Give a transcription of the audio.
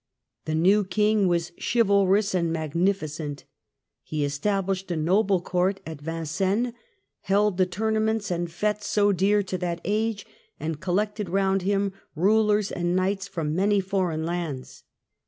The new King was chivalrous and magnificent ; he established a noble Court at Vincennes, held the tournaments and fetes so dear to that age, and collected round him rulers and knights from many foreign lands.